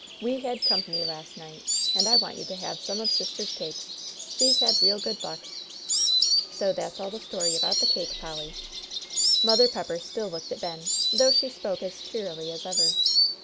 We had comp'ny last night, and I want you to have some of sister's cake. She's had real good luck.' So that's all the story about the cake, Polly." Mother Pepper still looked at Ben, though she spoke as cheerily as ever.